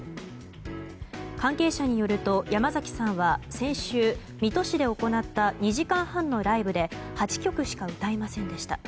関係者によると、山崎さんは先週、水戸市で行った２時間半のライブで８曲しか歌いませんでした。